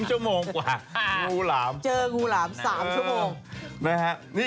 ๓ชั่วโมงกว่าเจองูหลาม๓ชั่วโมง